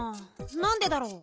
なんでだろう？